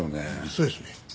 そうですね。